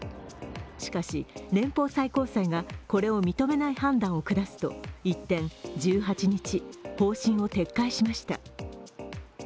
しかし、連邦最高裁がこれを認めない判断を下すと一転、１８日、方針を撤回しました。